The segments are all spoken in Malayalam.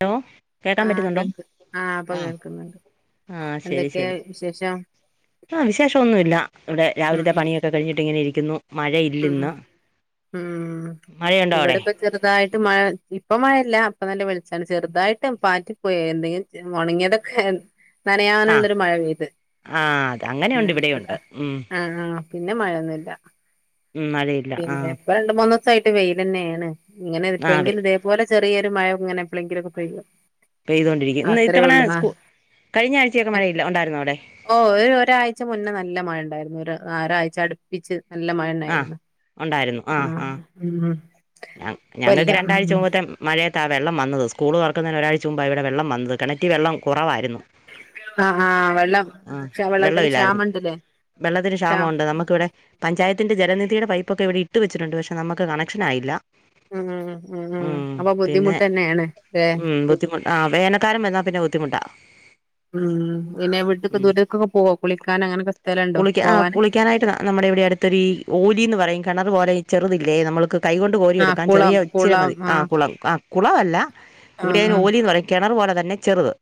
ഹലോ കേൾക്കാൻ ആഹ് പറ്റുന്നുണ്ടോ കേൾക്ക് ആഹ് ഇപ്പൊ ആഹ കേൾക്കുന്നുണ്ട് ആഹ ശരി എന്തൊക്കെയാ ശരി വിശേഷം ആഹ് വിശേഷം ഒന്നുമ ഇവിടെ ഉം രാവിലത്തെ ഉം പണിയൊക്കെ കഴിഞ്ഞിട്ടിങ്ങനെ ഇരിക്കും ഉം ഇല്ലന്ന് ഉം ഇവിടെ ഇപ്പ ചെറുതായിട്ട് മഴ ഇപ്പ മഴല്ല അപ്പ തല്ലെ വിളിച്ചാണ് ചെറുതായിട്ട് പാറ്റി പോയ എന്തെങ്കിലും മുണങ്ങിയതൊക്കെ ആഹ് നനയാനുള്ളൊരു മഴ പെയ്ത് ആഹ് അത് പിന്നെ അങ്ങനെയുണ്ട് അത്ര ഇവിടെയുണ്ട് ഉം ആഹ ആ പിന്നെ മഴയൊന്നുമല്ല ഉം മഴയില്ല ആഹ് പിന്നെപ്പ രണ്ട മൂന്ന ായിട്ട് വെയി തന്നെയാണ് ഇങ്ങനെ ആഹ് അതെ ഇപ്പോഴെങ്കില ഇതേപോലെ ചെറിയൊരു മഴം ഇങ്ങനെ എപ്പോഴെങ്കില ഒക്കെ പെയ്യുക ഇപ്പെയ്തോൊണ്ടിരിക്കും ഇ ഇത്തവണ സ് ഓ ഒരാഴ്ച മുന്നേ നല്ല മഴ ഉണ്ടായിരുന്നു ആരാഴ്ച അടുപ്പിച്ച് നല്ല ആഹ് മഴണ്ണായിരുന്നു ഉണ്ടായിരുന്നു ആ ആ ഞങ്ങൾക്ക് ഇപ്പല്ല ഉം രണ്ടാഴ്ച ഉം മുമ്പത്തെ മഴയ വെള്ളം വന്നത് സ്കൂൾ വറക്കുന്നതിന് ഒരാഴ്ച മുമ്പ് ഇവിടെ വെള്ള വത് കണറ്റി വെള്ളം കുറവായിരുന്നു ആ ആഹ വെള്ളം ആഹ് വെള്ളത്തി വെള്ളമില്ലായിരുന്നു ക്ഷാമ ഉണ്ടല്ലേ വെള്ളത്തിന് ക്ഷാമുണ്ട് നമുക്കിവിടെ പഞ്ചായത്തി ജലനിധുടെ പൈപ്പൊക്കെ ഇവിടെട്ട വച്ചട്ടുണ്ട് പക്ഷെ നമക്ക് കണക്ഷനായില്ല ഉം ഉം ഉം അപ്പൊ പിന്നെ ബുദ്ധിമുട്ടെന്നേണ് ല്ലേ ഉം ബുദ്ധിമുട്ട ആഹ് വേനക്കാലാരം വ എന്നാ പിന്നെ ബുദ്ധിമുട്ടാ ഉം ഇന്നെ വീട്ടക്കെ ഉം ദൂരത്തക്കൊക്കെ പോവോ കുളിക്കാന അങ്ങനൊക്കെ സ്ഥലുണ്ടോ പോവാന് ടെ ഇവിടെ അടുത്തൊ ഓലിന്ന് പറയും കിണർ പോലെ ചെറുതില്ലേ നമ്മുക്ക് കൈ കൊൊണ്ട് ആഹ് എടുക്കാൻ കുളം ചെറിയ ഇച്ചിരി കുളം മതി ആ ആഹ് കുളും ആ കുളവമല്ല ഇവിടെ അതിന് ആഹ് ഓലി എന്ന് പറഞ്ഞ കിണർ പോോലെ തന്നെ ചെറുത്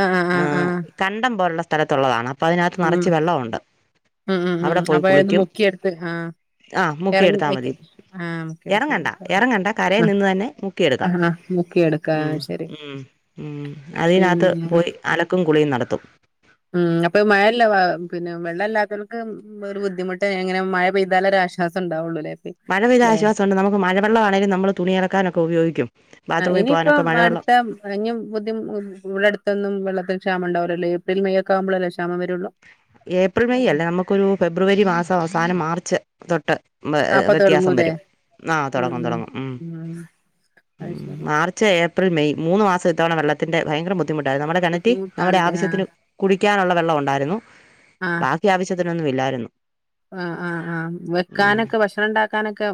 ആഹ ആഹ ആഹ കണ്ടം പോലുള്ള സ്ഥലത്തുള്ളതാണ് അപ്പൊ അതിനകത്ത് നിറച്ച് വെള്ളമുണ്ട് ഉം ഉം ഉ അവിടെ പോയി അപ്പന്ന് കുളിക്കും മുക്കിയെടുത്ത് ആ ആ ഇറങ്ങി മുക്കിയെടുത്താൽ മതി ആ മുക്കെടുത്ത് ഇറങ്ങണ്ട ഇറങ്ങണ്ട കരയിൽ നിന്ന് തന്നെ മുക്കിയെടുക്കാം ആഹ് മുക്കിയെടുക്കാ ഉ ശരി ഉ ഉ അതിനകത്ത് പിന്നെ പോയി അലക്കും കുളിയും നടത്തും ഉം അപ്പൊ മഴയല്ല പിന്നെ വെള്ളമല്ലാത്തവർക്ക് ഒരു ബുദ്ധിമുട്ട് എങ്ങനെ മഴ പെയ്താല ആശ്വാസംണ്ടാവുള്ളൂേ മഴെയ്ത ആശ്വാസംണ്ട് നമുക്ക് മഴെള്ളമാണെങ്കും നള് തുണയിറക്കാനൊക്കെപയോഗിക്കും ആ ഇനിയിപ്പം അടുത്ത ഇും പുതി ഇവിടെ അടുത്തൊന്നും വെള്ളത്തിൽ ്യമ ഉണ്ടാവല്ലോ പ്രിൽ മേക്ക ആുമ്പോല്ലാംമ വേള്ളൂ ഏപ്രിൽ മെയ് അല്ലേ നമുക്കൊരു ഫെബ്രുവരി മാസം അവസാനം മാർച്ച് തൊട്ട് അപ്പൊ വ്യത്യാസം തുടങ്ങൂലേ വരും ആ് തുടങ്ങും തുടങ്ങും ഉം ഉ അത് ശരി മാർച്ച് ഏപ്രിൽ മെയ് മൂന്ന് മാസം ഇത്തവണ വെള്ളത്തിന്റെ ഭയങ്കര ബുദ്ധിമുട്ടായി നമ്മുടെ കണറ്റി നമ്മുടെ ബുദ്ധിമുട്ടാണല്ലേ ആ ആവശ്യത്തിന് കുടിക്കാനുള്ള വെള്ളം ഉണ്ടായിരുന്നു ആ ബാക്കി ആവശ്യത്തിനൊന്നും ഇല്ലായിരുന്നു ആ ആഹ് ആ് ഉം വെക്കാനൊക്കെ ഭക്ഷണം ഉണ്ടാക്കാനൊക്കെ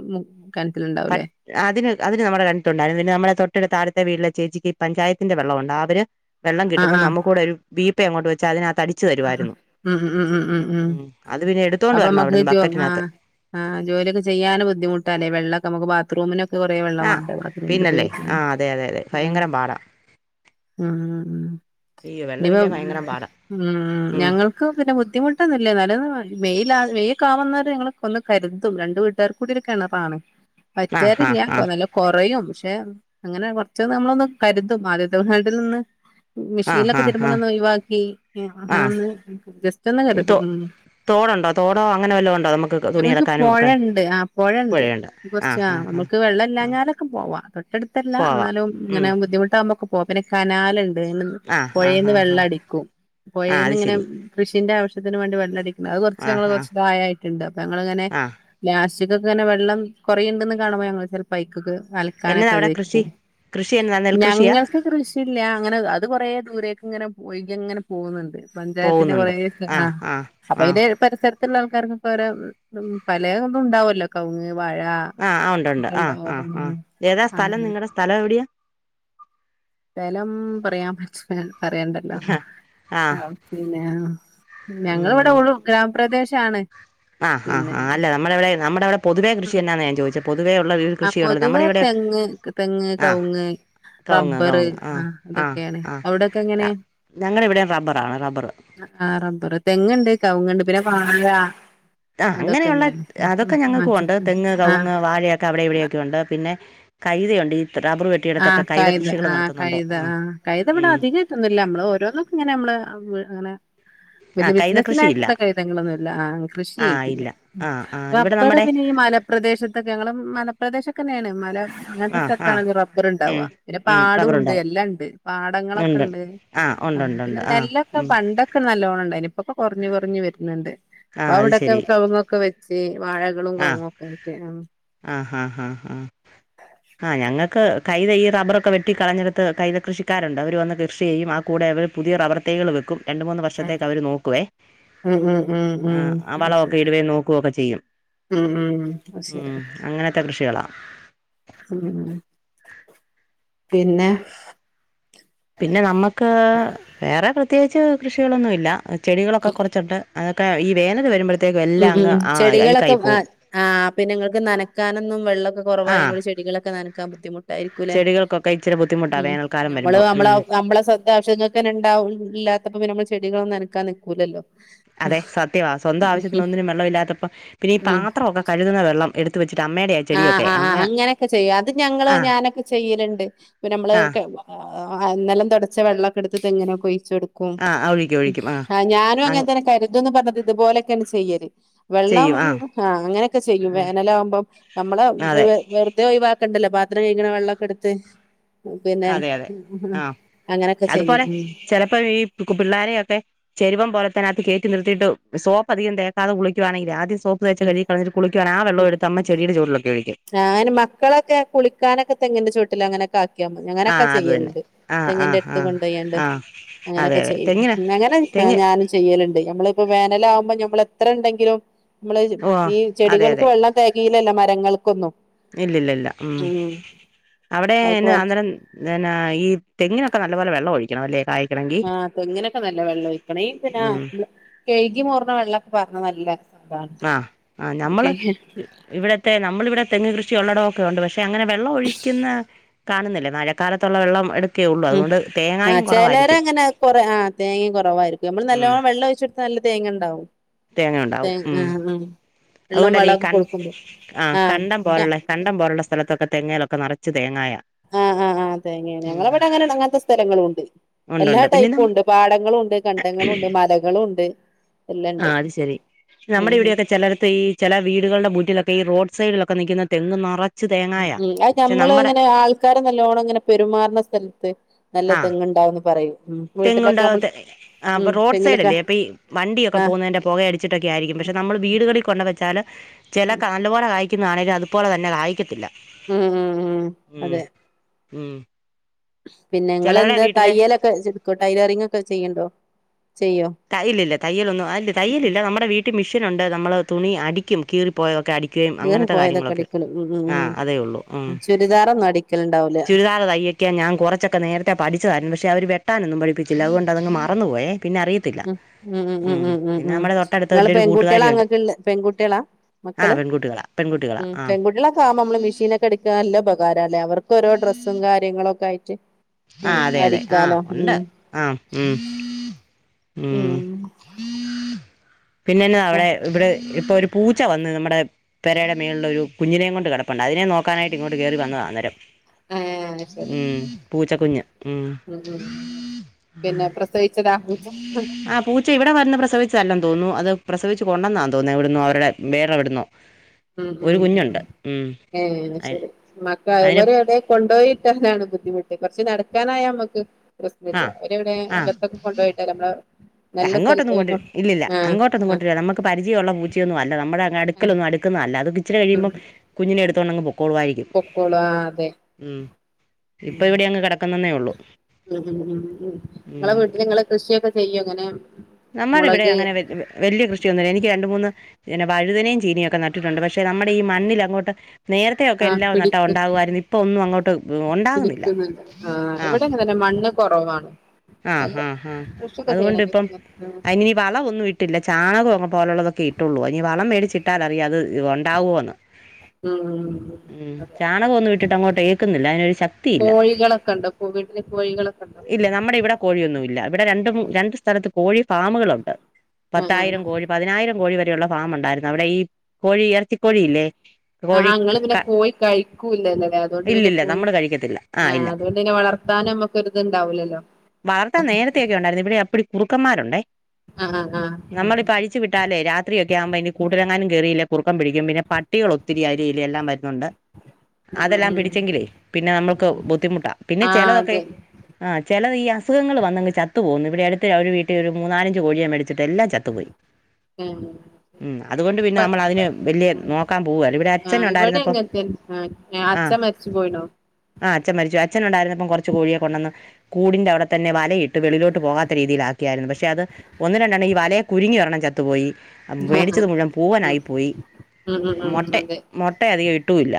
പ കണത്തിലുണ്ടാവല്ലേ അതിന് നമ്മുടെ കണുണ്ടായിുംന്ന നമ്മ തൊട്ടടു താഴത്തെ വീട്ടിലെ ചേച്ചിക്ക് പചത്തിന്റെ വള്ളം ഉണ്ട് അവര് വെള്ളം ആ കിട്ടുമ്പോ ആ നമു കൂടെ ഒരു അ അങ്ങോട്ട് വൊ അതിനത് തടച്ച് ആ തരുവമായിരുന്നു ഉം ഉം ഉം ഉം ഉം എടുത്തോണ്ട് വരണം അപ്പൊമക്ക് അവിടുന്ന് ആ ബക്കറ്റിനകത്ത് ആ ജോലിയൊക്കെ ചെയ്യാനൻ ബുദ്ധിമുട്ടല്ലേ വെള്ള മ ബാത്റൂമിനൊക്കെ കൊറെ വെള്ള ആഹ് വേണ്ട ബാത്റൂമ പിന്നല്ലേ ഉപയോഗിക്കുന്ന ആഹ് അതെ അതെ അതെ ഉം ഭയങ്കരം പാടാ ഉ അയ്യോ നിവ വെള്ളമില്ലേ ഭയങ്കരം പാടാ ഉം ഞങ്ങൾക്ക് പിന്നെ ബുദ്ധിമുട്ടൊന്നുംില്ലല്ല നല്ല മെൽ മെയക്ക ആാവുന്നന്നവർ ഞങ്ങൾ ഒന്ന് കരുതും രണ്ട്ു വീട്ടുകാർ കൂടിൊ കിണറാാണ് ആഹ് പറ്റാറില്ല ആഹ് ആഹ് നല്ല കൊറയും റ്റെ ഉം അങ്ങനെ കോർച്ച് നമ്മളൊന്ന് കരുതും [unintelligible] നിന്ന് ആഹ് മെഷീൻലൊക്കെ ആഹ് ആഹ് തിരുമ്പ്ണൊന്ന് ഒഴിവാക്കി. ആഹ് അങ്ങനെൊന്ന് ജസ്റ്റ് ഒന്ന് തോ കരുതും ഉം തോടുണ്ടോ തോടോ അങ്ങനെ വല്ലോ ഉണ്ടോ നമുക്ക് തുണി ഞങ്ങക്ക് അലക്കാനും ഒക്കെ പൊഴണ്ട് ആ പൊഴണ്ട് കോർച്ച് ആഹ് മ് മുക്ക് ആഹ് വെള്ളല്ലാഞാലൊക്കെ പോവാ. തൊട്ടടുത്തല്ല പോവാം ന്നാലും ഉം ഇങ്ങനെ ബുദ്ധിമുട്ടാഉമ്പക്കെ പോ പിന്നെ കനാല്ണ്ട്. ആഹ് ആഹ് പൊയേന്ന് ആഹ് ആഹ് വെള്ളടിക്കു. ആഹ് അത് പൊയേന്ന്ങ്ങനെ ശരി കൃഷ് ഷിന്റെ ആവശ്യത്തിന് വാണ്ടി വെള്ളടിക്ണം അഹ് കോർച് ആഹ് അഹ് ആഹ് കോർചുടെ അയായിക്ക്ണ്ട്. അപ്പ ങ്ങള് ങ്ങനെ ആഹ് ലാസ് സിക്കൊക്കെങ്ങെനെ വെള്ളം കോറിയിണ്ടെന്ന് കാണുമ്പോ ഞങ്‌ൾ ചെൽപ്പയിക്ക് കേ എന്നതാ അൽക്കാനൊക്കെ അവിടെ ഇതിക്ക് കൃഷി പോഉ. കൃഷി എന്നതാ നെൽകൃഷിയാ ഞങ്ങൾക്ക് കൃഷില്ല അങ്ങനെ അത് കൊറേ ദൂരേക്ങ്ങനെ പു ഒഴികിങ്ങനെ പോകുന്നുണ്ട്. പഞ്ചായത്തിന്റെ കൊറെേ ആഹ് അപ്പൊ അയിന്റെ ഇ പരിസര ത്ള്ള ആൾക്കാർക്കൊക്കെ ഒരേ ഉം ഉം പലേ ഒന്നും ഉണ്ടാവല്ലോ. കൗങ്‌ വഴ ആഹ് ആഹ് ഉണ്ട് ഉണ്ട് ആഹ് ഒക്കെണ്ടാവൊല്ലോ ആഹ് ആഹ് ഏതാ സ്ഥലം അങ്ങ നിങ്ങളുടെ സ്ഥലം എവിടെയാ സ്ഥലം പറയാൻ പറ്റ് പറയണ്ടല്ലോ? ആഹ് പിന്നെ ഞങ്ങള് ഇവിടെ ഒരു ഗ്രാമപ്രദേശാണ് ആഹ ആഹ് പിന്നെ ആഹ് അല്ല നമ്മടവിടെ നമ്മടവിടെ പൊതുവേ കൃഷി എന്നാന്നാ ഞാൻ ചോദിച്ചേ പൊ ആ പൊതുവെ തെങ്ങ് തെങ്ങ് ആഹ് കവുങ്ങ് കവുങ്ങ് റബ്ബറ് കവുങ്ങ് ആ ആഹ് ആഹ് അതൊക്കെയാണ് ആഹ് അവിടൊക്കെ എങ്ങനെ ഞങ്ങളുടെ ഇവിടെ റബ്ബറാണ് റബ്ബർ ആ റബ്ബറ് തെങ്ങുണ്ട് കവുങ്ങുണ്ട് പിന്നെ വാഴ ആ അതൊക്കെ അങ്ങനെയുള്ള അതൊക്കെ ഞങ്ങൾക്കും ഉണ്ട് തെങ്ങ് തന്നെയാണ് ആ കവുങ്ങ് വാഴയൊക്കെ അവിടെ ഇവിടെയൊക്കെ ഉണ്ട് പിന്നെ കൈതയൊണ്ട് ഈ റബ്ബർ ആഹ് വെട്ടിയിടത്തൊക്കെ കൈത കൃഷികൾ ആ നടത്തുന്നുണ്ട് കൈത ആഹ് ആ കൈത ഇവിടെ ഉം അധികം ആയിട്ടൊന്നുമില്ല നമ്മള് ഓരോന്നൊക്കെ ഇങ്ങനെ നമ്മള് ആ വല്ല്യ കൈത കൃഷിയില്ല ബിസിനസ്സിനായിട്ടുള്ള കൈതങ്ങളൊന്നുമല്ല ആ ആ കൃഷിയായിട്ടില്ല ഇല്ല ആ ആ ഇവിടെ റബ്ബറ് നമ്മുടെ പിന്നെ ഈ മല പ്രദേശത്തൊക്കെ ഞങ്ങള് മല പ്രദേശം ഒക്കെ തന്നെയാണ് മല അങ്ങനത്തെ ആ ആ സ്ഥലത്താണെങ്കിൽ റബ്ബർ ഉം ഉണ്ടാവുക പിന്നെ ഉം പാടവും ഉണ്ട് റബ്ബറുണ്ടാവും എല്ലാം ഉണ്ട് പാടങ്ങളൊക്കെ ഉണ്ട് ആ ഉണ്ട് ഉണ്ട് പിന്നെ ഉണ്ട് ആ നെല്ലൊക്കെ ഉം പണ്ടൊക്കെ നല്ലോണം ഉണ്ടായിനി ഇപ്പോ ഒക്കെ കുറഞ്ഞ് കുറഞ്ഞ് വരുന്നുണ്ട് ആ ഇപ്പൊ അത് അവിടൊക്കെ ശരി കവുങ്ങൊക്കെ വെച്ച് വാഴകളും ആ കവുങ്ങൊക്കെ ആയിട്ട് ആഹ് ആ ആ ഞങ്ങൾ ക്ക്‌ കൈത ഈ റബറൊ ക്കെ വെട്ടി കളഞ്ഞെടുത്ത് കൈത കൃഷിക്കാരുണ്ട് അവര് വന്ന് കൃഷി ചെയ്യും ആ കൂടെ അവര് പുതിയ റബർ തൈകള് വക്കും രണ്ട് മൂന്ന് വർഷത്തേക്ക് അവര് നോക്കുവേ ഉം ഉം ഉം ഉം ആ അത് വളമൊക്കെ ശരി ഇടുവേയും നോക്കുവൊക്കെ ചെയ്യും ഉം ഉം അത് ഉം ശരി അങ്ങനത്തെ കൃഷികളാ ഉ പിന്നെ പിന്നെ നമ്മുക്ക് വേറെ പ്രത്യേകിച്ച് കൃഷികളൊന്നും ഇല്ല ചെടികളൊക്കെ കുറച്ചൊണ്ട് അതൊക്കെ ഈ വേനൽ വരുമ്പ ഉം ഉം ചെടികളൊക്കെ ആ ആ പിന്നെ ഞങ്ങക്ക് നനക്കാനൊന്നും വെള്ളവൊക്കെ ആ കുറവായിതിനോട് ചെടികളൊക്കെ നനക്കാൻ ബുദ്ധിമു ചെടികൾക്കൊക്കെ ഇച്ചിരി ബുദ്ധിമുട്ടാ ഉം വേനൽക്കാലം ഞമ്മള് വരുമ്പോൾ അമ്മളെ ഉം നമ്മളെ ശ്രദ്ധ ആവശ്യങ്ങക്കെന്നെ ഇണ്ടാവും ഇല്ലാത്തപ്പൊ പിന്നെ അമ്മള് ച് ചെടികളൊ നനക്കാൻ നിക്കൂലല്ലോ അതെ സത്യവാ സ്വന്തം ആവശ്യത്തിന് ഉം ഒന്നിനും വെള്ളം ഇല്ലാത്തപ്പ പിന്നെ ഈ ഉം പാത്രവൊക്കെ കഴുകുന്ന വെള്ളം എടുത്ത് വെ ആഹ് ആഹ് ആഹ് അങ്ങനെക്കെ ചെയ്യ അത് ഞങ്ങള് ആ ഞാനൊക്കെ ചെയ്യല്ണ്ട് പിന്നമ്മള് ആ കെ അ ആ ആ നെലം തൊടച്ച വെള്ളൊക്കെ എടത്ത് തെങ്ങിനൊക്കെ ഒയ് ച്ചൊട്ക്കും. ആ ഒഴിക്കും ഒഴിക്കും ആ ഞാനും അങ്ങന അങ് തന്നെ കര്തുംന്ന് പറഞ്ഞത് ഇത്പോലൊക്കേണ് ചെയ്യല് വെ ള്ളം ചെയ്യും ആ ഹാ അങ്ങനെക്കെ ചെയ്യും ഉം വേനലാവുമ്പം നമ്മള് വെ അതെ വെറ്തെ ഒയിവാക്കണ്ടല്ലോ പാത്രം കയ്ക്ണ വെള്ളൊക്കെട്ത്ത് പിന്നെ അതെ അതെ [unintelligible] ആ ചെയ്യും അതുപോലെ ഉം ചെലപ്പ ഈ പിള്ളാരെയൊക്കെ ചെരുവം പോല ത്തിനകത്ത് കേറ്റി നിർത്തിട്ട് സോപ്പധികം തേക്കാതെ കുളിക്കുവാണെങ്കിലേ ആദ്യം സ് ഉം ഉം ചെടിയുടെ ചോട്ടിലൊക്കെ ഒഴിക്കും ആ അയ്ന് മക്കളൊക്കെ കുളിക്കാനൊക്കെ തെങ്ങിൻ്റെ ചോ ട്ടിൽ അങ്ങനൊക്കെ ആക്കിയാ ആ അങ്ങനൊക്കെ അത് തന്നെ ചെയ്യല്ണ്ട്. ആ ആ ആ തെങ്ങിന്റെടുത്ത് കൊണ്ടേയാണ്ട്, ആ അതെ അങ്ങനെയൊക്കെ അതെ ചെയ്യും. തെങ്ങിന് അങ്ങനെ ആ തെങ്ങ് ഞാനും ചെയ്യലുണ്ട് നമ്മള് ഇപ്പം വേനലാകുമ്പോ നമ്മൾ എത്ര ഉണ്ടെങ്കിലും നമ്മള് ഓ ഈ അതെ ചെടികൾക്ക് വെള്ളം തെ കീഴല്ലോ മ ഞങ്ങൾക്കൊന്നും ഇല്ലില്ലില്ല, ഉം അവിടെ അതൊക്കെ പറ്റ അന്നേ പിന്നെ, ഈ തെങ്ങിനൊക്കെ നല്ല പോലെ വെള്ളം ഒഴിക്കണം അല്ലേ ക ആ തെങ്ങിനൊക്കെ നല്ല വെള്ളം ഒഴിക്കണം ഈപിന്നാ ഉം കഴുകി മോർണ വെള്ളൊക്കെ പാർന്നാ നല്ല അതാണ് ആ ആ നമ്മള് ഓക്കെ ഇവിടത്തെ നമ്മൾ ഇവിടെ തെങ്ങ് കൃഷി ഉള്ളടമൊക്കെ ഉണ്ട് പക്ഷെ അങ്ങനെ വെള്ളം ഒഴിക്കുന്ന കാണുന്നില്ലേ മഴക്കാലത്തുള്ള വെള്ളം എടുക്കെ ഉള്ളൂ അതുകൊണ്ട് തെ ആ ചെലരങ്ങനെ കൊറ ആ തേങ്ങിം കുറവായിരിക്കും നമ്മള് ഉം നല്ലോണം വെള്ളം ഒഴിച്ച് കൊടുത്താൽ നല്ല തേങ്ങ ഉണ്ടാവും. തേങ്ങ തേ ഉണ്ടാവും ഉം. ആഹ് ആഹ് വെള്ളം അതുകൊണ്ടല്ലേ ഈ വളൊക്കെ കണ് കൊടുക്കുമ്പോ ആ ആഹ് കണ്ടം പോലുള്ള കണ്ടം പോലുള്ള സ്ഥല ഇതൊക്കെ തെങ്ങേലൊക്കെ നറച്ച് തേങ്ങായാ.. ആ ആ ആ തേങ്ങെ ഞങ്ങളവിടെ അങ്ങനെ അങ്ങനത്തെ സ്ഥലങ്ങളുണ്ട്. എല്ലാ ഉണ്ടുണ്ട് പിന്നെ ടൈപ്പും നമ്മ ഉണ്ട് പാടങ്ങളും ഉണ്ട്, കണ്ടങ്ങളുണ്ട്, മലകളും ഉ ണ്ട്. ആ അത് ശരി. ഉം നമ്മുടെ ഇവിടെയൊക്കെ ചെലടത്ത് ഈ ചെല വീടുകളുടെ മുന്നിലൊക്കെ ഈ റോഡ് സൈഡിലൊക്കെ നിക്കുന്ന തെങ്ങ് നറ ഉം അത നമ്മള് ഇങ്ങനെ ആൾക്കാര് നല്ലോണം ഇങ്ങനെ പെരുമാറുന്ന സ്ഥലത്ത് നല്ല ആ തെങ്ങ്ണ്ടാ ണ്ടന്ന് പറയും ഉം തെങ്ങുണ്ട വീട്ടിലൊക്കെ നമ്മൾ തെ ആ അപ്പൊ ഉം തെങ്ങിലൊക്കെ റോഡ്സൈഡല്ലേ, അപ്പൊ ഈ വണ്ടിയൊക്കെ ആഹ് പോവുന്നതിന്റെ പൊ കയടിച്ചിട്ടൊക്കെയായിരിക്കും പക്ഷെ നമ്മൾ വീടുകളിൽ കൊണ്ടു വെച്ചാല് ചില കാ നല്ലപോലെ കായിക്കുന്നതാണെങ്കിലും അതുപോലെ തന്നെ കായിക്കത്തില്ല. ഉം ഉം ഉം അതെ ഉം പിന്നെ ങ്ങള് ചിലരുടെ എന്താ വീട്ടിലെ തയ്യലൊക്കെ ചെ ടൈലറിങ്ങ് ഒക്കെ ചെയ്യ്ണ്ടോ ചെയ്യ തയ്യലില്ല തയ്യലൊന്നും അ തയ്യലില്ല നമ്മുടെ വീട്ടിൽ മിഷ ത്തിനുണ്ട് നമ്മള് തുണി അടിക്കും കീറിപ്പോയതൊക്കെ അടി ക്കിയും കീറി അങ്ങനത്തെ പോയതൊക്കെ കാര്യങ്ങളൊക്കെ അടിക്കലും ഉം ഉം ആ അതേ ഉള്ളൂ ഉം. ചുരിദാറൊന്നും അടിക്കലുണ്ടാവൂല ചുരിദാർ തയ്ക്കാൻ ഞാൻ കുറച്ചൊക്കെ നേരത്തെ പഠിച്ചതായിരുന്നു പക്ഷെ, അവ ട്ടാനൊന്നും പഠിപ്പിച്ചില്ല അതുകൊണ്ട് അതങ്ങ് മറന്ന് പോയെ പിന് ഉംഉ ഉ ഉ ഉ ഉ ഉം തൊട്ടടുത്ത് ങ്ങള് എൻ്റെ ഒരു പെൺകുട്ടികള കൂട്ടുകാരിയുണ്ട് നിങ്ങള്ക്ക്ള്ള പെൺകുട്ടികളാ? ആ മക്കള് പെൺകുട്ടികളാ പെൺകുട്ടികളാ ഉം ആ പെൺകുട്ടികളൊക്കാവുംബൊ നമ്മള് മെഷീനൊക്കെ അടിക്കാ നല്ല ഉപകാരാല്ലേ അവ ഒരോ ഡ്രസ്സും കാര്യങ്ങളും ഒക്കെ ആയിട്ട് ആ ഉം അതെ അതെ ആ അടിക്കാനോ ഉണ്ട് ഉം ആ ഉം ഉം ഉം പിന്നെന്നെത അവിടെ ഇവിടെ ഇപ്പൊ ഒരു പൂ പൂച്ചവന്ന് നമ്മുടെ പെരേടെ മേളിലൊരു കുഞ്ഞിനെയും കൊണ്ട് കിടപ്പുണ്ട് അതിനെ നോക്കാനായി ഇങ്ങോട്ട് കേറി വന്നതാ അന്നേരം ഏഹ് ശരി ഉം കുഞ്ഞ് ഉം പിന്നെ പ്രസവിച്ചതാ ആ പൂച്ച ഇവിടെ വന്ന് പ്രസവിച്ചതല്ലെന്ന് തോന്നുന്നു അത് പ്രസവിച്ച് കൊണ്ടന്നതാ തോന്നുന്നു എവിടുന്നോ അവരുടെ വേറെ എവിടുന്നോ ഉം ഒരു ഉം ഉം കുഞ്ഞുണ്ട് ഉം ഏ അ ശരി മക്കൾ അതിന് ഇവരെവിടെ കൊണ്ടോയിട്ടാലാണ് ബുദ്ധിമുട്ട് കുറച്ച് നടക്കാനായ നമ്മക്ക് പ്രശ്നില്ല ആ അവരവിടെ ആ അകത്തൊക്കെ കൊണ്ടോയിട്ടാൽ നമ്മളെ നല്ല അങ്ങോട്ടൊന്നും സ്ഥലത്തൊക്കെ കൊണ്ടര കൊ ഇല്ലില്ല ആഹ് അങ്ങോട്ടൊന്നും ആഹ് കൊണ്ടരൂലൊഡ്ഢല നമുക്ക് പരിചയുള്ള പൂച്ചയൊന്നുഅല്ല നമ്മടെങ് ആഹ് അടുക്കലൊന്നും അട്‌ [unintelligible] അത് കിച്ചിരി ഉം കഴിയുമ്പം കുഞ്ഞിനെ എടുത്തോണ്ടങ് പൊക്കോളുആയിരിക്കും പൊക്കോളൂ ആ അതെ ഉം. ഇപ്പൊ ഉം ഇവിടെ അങ് കിടക്കുന്നന്നെ ഉള്ളൂ ഉം ഉം ഉം ഉം ഉം. നിങ്ങളെ വീട്ടില് നിങ്ങള് കൃഷിയൊക്കെ ചെയ്യോ ഇങ്ങനെ നമ്മടെ ഇവിടെ മുളക് അങ്ങനെ വലിയ കൃഷിയൊന്നുല്ല എനിക്ക് രണ്ട് മൂന്ന് പിന്നെ വഴുതനേയും ചീനിയും ഒക്കെ നട്ടിട്ടുണ്ട് പക്ഷെ പിന്നെ നമ്മുടെ ഈ മണ്ണിൽ അങ്ങോട്ട് നേരത്തെയൊക്കെ ആ എല്ലാം നട്ട പിടിക്ക് ഉണ്ടാകുആ യിരുന്നു ഇപ്പൊ ഒന്നും അങ്ങോട്ട് ഉണ്ടാകുന്നില്ല. ആഹ് ഇവടെങ്ങനെത്തന്നെ മണ്ണ് കൊറവാണ്. ആഹ് ഹാ ഹാ അതുകൊണ്ടിപ്പം, അതിനിനീ വളവൊന്നും ഇട്ടില്ല ചാണകങ് പോലുള്ളതൊക്കെ ഇട്ടുള്ളൂ. ഇനി വളം മേടിച്ചിട്ടാലറിയാം അത് ഒണ്ടാവോന്ന് ഉം ഉം അതെ ചാണകമൊന്നും ഇട്ടിട്ട് അങ്ങോട്ട് ഏക്കുന്നില്ല അയ്നൊരു ശക്തിയില്ല. കോഴികളൊക്കെ ഉണ്ടോ വീട്ടില് കോഴികള് ഇല്ല നമ്മുടെ ഇവിടെ കോഴിയൊന്നുല്ല ഇവിടെ രണ്ട് രണ്ട് സ്ഥലത്ത് കോഴി ഫാമുകളുണ്ട്. ആഹ് ആഹ് പത്തായിരം കോഴി പതിനായിരം കോഴി വരെയുള്ള ഫാമുണ്ടായിരുന്നു അവിടെ ഈ കോഴിയെർ ച്ചി കോഴിയില്ലേ ആഹ് കോഴി ആഹ് ഇങ്ങള് ക പിന്നെ കോഴി കഴിക്കൂല്ലല്ലോല്ലേ അതുകൊണ്ട് പിന്നെ ഇല്ലില്ല കോഴി നമ്മള് കഴിക്കത്തില്ല ആഹ് ആഹ് ഇല്ല അതുകൊണ്ട് ന്നെ വളർത്താനും നമ്മക്കൊരു വളർത്താൻ നേരത്തെയൊക്കെ ഉണ്ടായിര്ന്നു ഇവിടെ എപ്പടി കുറുക്കന്മാരുണ്ടേ ആഹ് ആഹ് ആഹ് ഉം നമ്മളിപ്പോ അഴിച്ചു വിട്ടാലേ രാത്രിയൊക്കെ ആവുമ്പോ ഇനി കൂട്ടിലെങ്ങാനും കേറിയില്ലേ കുറുക്കം പിടിക്കും പിന്നെ പട്ടികൾ ഒത്തിരി അതിലേ ഇതിലേം എല്ലാം വരുന്നുണ്ട്. അതെല്ലാം ഉം പിടിച്ചെങ്കിലേ പിന്നെ നമ്മൾക്ക് ഉം ഉം ബുദ്ധിമുട്ടാ പിന്നെ ആഹ് ചെലതൊക്കെ അതെ ചെലത് ഈ അസുഖങ്ങൾ വന്നങ്ങ് ചത്തു പോവുന്നു. ഇവിടെ അടുത്ത് ഒരു വീട്ടിൽ ഒരു മൂന്നാലഞ്ച് കോഴിയെ മെടി ച്ചിട്ടെല്ലാം ചത്തുപോയി. ഉം ഉം അതുകൊണ്ട് പിന്നെ പ നമ്മൾ അതിന് വലിയ ഉം നോക്കാൻ പോവുകയല്ല ഇവിടെ ആ അച്ഛൻ ഇവിടെ ഉണ്ടായിരുന്നപ്പം അങ്ങനത്തെന്നെ ആ ച്ചൻ മരിച്ചു പോയിണോ? ആഹ് അച്ഛൻ മരിച്ചു അച്ഛനുണ്ടായിരുന്നപ്പം കൊറച്ച് കോഴിയെ കൊണ്ടുവന്ന് കൂടിന്റെ അവിടെത്തന്നെ വലയിട്ടു വെളിലോട്ട് പോകാത്ത രീതിയിലാക്കിയായിരുന്നു പക്ഷെ അത് ഒന്ന്‌ രണ്ടെണ്ണം ഈ വലേ കുരുങ്ങി ഒരെണ്ണം ചത്തുപോയി മേടിച്ചത് ഉം മുഴുവൻ പൂവനായി പോയി ഉം ഉം ഉം അതെ ഇട്ടുമില്ല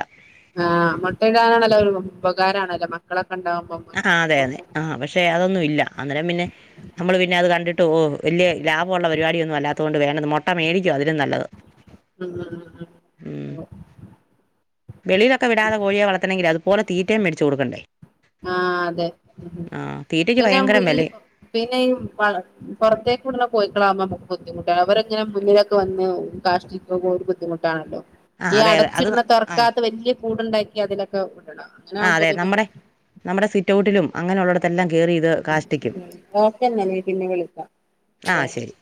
ആഹ് മുട്ടയിടാനാണല്ലോ അവര് ഉപകാരാണല്ലോ മക്കളൊക്കെ ഉണ്ടാവുമ്പോ അ ഉം ആഹ് അതെ അതെ ആഹ് പക്ഷെ അതൊന്നും ഇല്ല അന്നേരം പിന്നെ നമ്മള് പിന്നെ അത് കണ്ടിട്ട് ഓ വല്യ ലാഭോള്ള പരിപാടിയൊന്ന് വല്ലാത്തോണ്ട് വേണ്ട മുട്ട മേടിക്കുവ അതിലും നല്ലത് ഉം ഉം ഉം ഉം അതെ വെളിലൊക്കെ വിടാതെ കോഴിയെ വളർത്തണെങ്കില് അതുപോലെ തീറ്റയും മേടിച്ചുകൊടുക്കണ്ടേ ആഹ് അതെ തീറ്റയ്ക്ക് പിന്നാവുമ്പം ഭയങ്കരം ഈ വിലയാ പിന്നെ ഈ വളർ പൊറത്തേക്ക് വിട്ണ കോഴി മക്കളാവുമ്പം ഞമ്മക്ക് ബുദ്ധിമുട്ടാണ് അവരെങ്ങനെ മുന്നിലൊക്കെ വന്ന് കാഷ്ട്ടിക്കുമ്പോ ഒരു ബുദ്ധിമുട്ടാണല്ലോ ആ ഈ അതെ അതെ അത് അടച്ചിടുന്ന ആ തൊറക്കാത്ത വല്യ കൂടുണ്ടാക്കി അതിലൊക്കെ വിടണം അങ്ങനെ ആ ആകുമ്പം അതെ പിന്നെ നമ്മുടെ നമ്മുടെ സിറ്റൗട്ടിലും അങ്ങനൊള്ളെട്ത്തെല്ലാം കയറി ഇത് കാഷ്ടിക്കും ഉം ഓക്കെന്നാ ഞാൻ പിന്നെ ആഹ് വിളിക്കാം ശരി